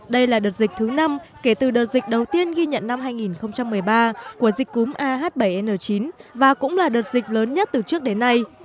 đây là đợt dịch thứ năm kể từ đợt dịch đầu tiên ghi nhận năm hai nghìn một mươi ba của dịch cúm ah bảy n chín và cũng là đợt dịch lớn nhất từ trước đến nay